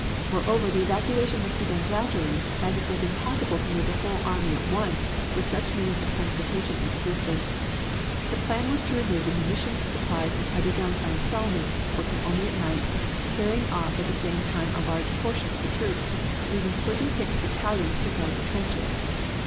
Moreover, the evacuation must be done gradually, as it was impossible to move the whole army at once with such means of transportation as existed. The plan was to remove the munitions, supplies and heavy guns by instalments, working only at night, carrying off at the same time a large portion of the troops, but leaving certain picked battalions to guard the trenches.